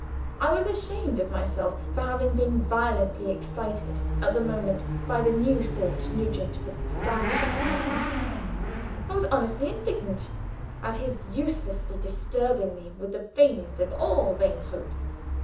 I was ashamed of myself for having been violently excited at the moment by the new thought which Nugent had started in my mind; I was honestly indignant at his uselessly disturbing me with the vainest of all vain hopes.